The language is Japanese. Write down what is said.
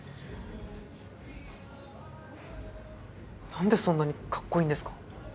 なんでそんなにかっこいいんですか？